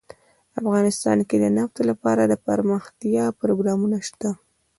افغانستان کې د نفت لپاره دپرمختیا پروګرامونه شته.